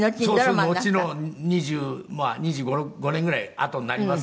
のちの２５年ぐらいあとになりますけど。